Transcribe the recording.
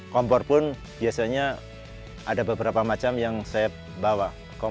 kompor pun biasanya ada beberapa macam yang saya bawa